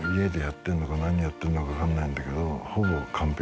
何やってるのか分かんないんだけど。